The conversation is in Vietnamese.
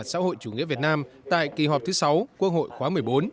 xã hội chủ nghĩa việt nam tại kỳ họp thứ sáu quốc hội khóa một mươi bốn